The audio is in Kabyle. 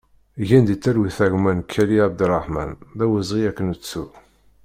Gen di talwit a gma Nekali Abderraḥman, d awezɣi ad k-nettu!